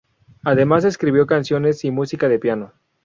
Además escribió canciones y música de piano.